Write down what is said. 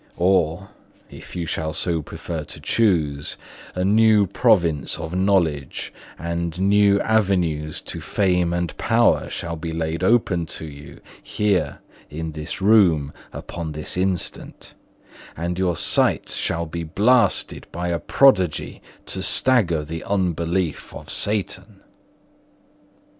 Or, if you shall so prefer to choose, a new province of knowledge and new avenues to fame and power shall be laid open to you, here, in this room, upon the instant; and your sight shall be blasted by a prodigy to stagger the unbelief of Satan."